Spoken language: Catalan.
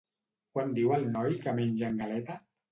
Quan diu el noi que mengen galeta?